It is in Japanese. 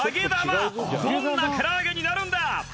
どんな唐揚げになるんだ？